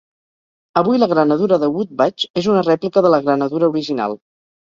Avui la granadura de "Wood Badge" és una rèplica de la granadura original.